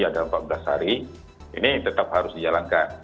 adalah empat belas hari ini tetap harus dijalankan